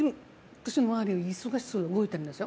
私の周りは忙しそうに動いているんですよ。